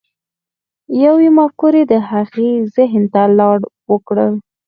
يوې مفکورې د هغه ذهن ته لار وکړه.